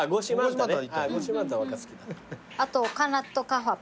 あとカナットカワプ。